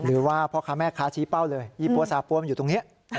หรือว่าพ่อค้าแม่ค้าชี้เป้าเลยยี่ปั๊สาปั้วมันอยู่ตรงนี้